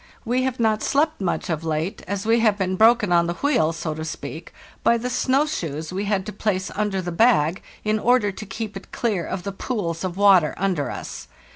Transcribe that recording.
We have not slept much of late, as we have been broken on the wheel, so to speak, by the snow shoes we had to place under the bag, in order to keep it clear of the pools of water under us.